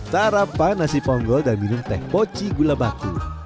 sarapan nasi ponggol dan minum teh poci gula batu